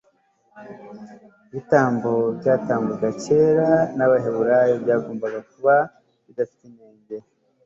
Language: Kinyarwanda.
ibitambo byatangwaga kera n'abaheburayo byagombaga kuba bidafite inenge